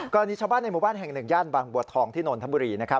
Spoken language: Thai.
กรณีชาวบ้านในหมู่บ้านแห่งหนึ่งย่านบางบัวทองที่นนทบุรี